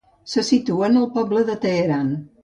Se situen al poble de Teheran.